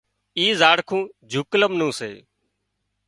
اِي زاڙکون جوڪلم نُون سي